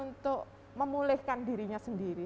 untuk memulihkan dirinya sendiri